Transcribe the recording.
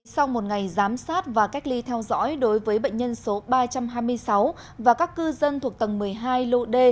sau một ngày giám sát và cách ly theo dõi đối với bệnh nhân số ba trăm hai mươi sáu và các cư dân thuộc tầng một mươi hai lô đề